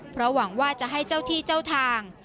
เพราะหวังว่าจะให้เจ้าที่เจ้าทาง